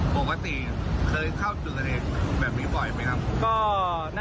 ปกติเคยเข้าถึงกระเด็นแบบนี้บ่อยไหมครับ